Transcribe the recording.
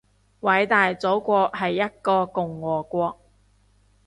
偉大祖國係一個共和國